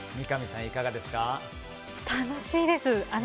楽しいです。